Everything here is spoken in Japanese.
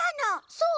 そう！